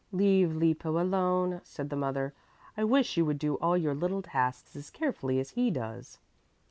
"Leave Lippo alone," said the mother. "I wish you would all do your little tasks as carefully as he does."